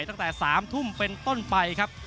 ตั้งแต่๓ทุ่มเป็นต้นไปครับ